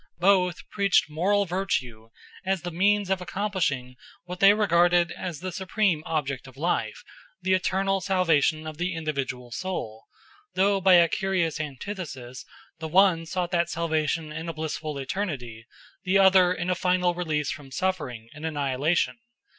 Both preached moral virtue as the means of accomplishing what they regarded as the supreme object of life, the eternal salvation of the individual soul, though by a curious antithesis the one sought that salvation in a blissful eternity, the other in a final release from suffering, in annihilation.